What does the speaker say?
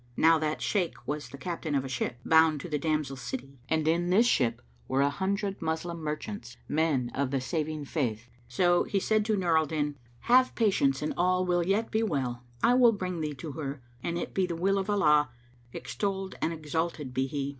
Now that Shaykh was the captain of a ship, bound to the damsel's city, and in this ship were a hundred Moslem merchants, men of the Saving Faith; so he said to Nur al Din, "Have patience and all will yet be well; I will bring thee to her an it be the will of Allah, extolled and exalted be He!"